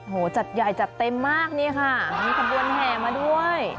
จัดใหญ่จัดเต็มมากนี่ค่ะมีขบวนแห่มาด้วย